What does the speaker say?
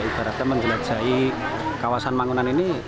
ibaratnya menjelajahi kawasan mangunan ini